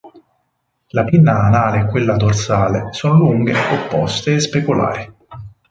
La pinna anale e quella dorsale sono lunghe, opposte e speculari.